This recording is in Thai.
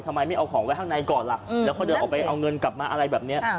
ทำไมไม่เอาของไว้ข้างในก่อนล่ะแล้วเขาเดินออกไปเอาเงินกลับมาอะไรแบบนี้